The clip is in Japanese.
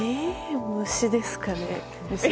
虫ですかね。